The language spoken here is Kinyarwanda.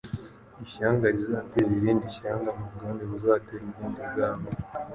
«Ishyanga rizatera irindi shyanga n'ubwami buzatera ubundi bwami